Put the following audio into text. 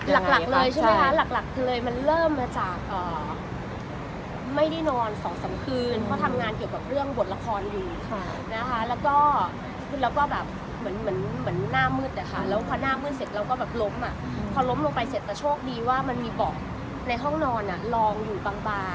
แล้วงานนั้นมันคือความสุขของหนิงลูกคือความสุขของหนิง